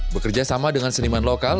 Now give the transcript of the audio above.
bekerja sama dengan seniman lokal